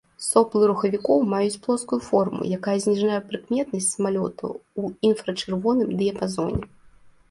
Соплы рухавікоў маюць плоскую форму, якая зніжае прыкметнасць самалёта ў інфрачырвоным дыяпазоне.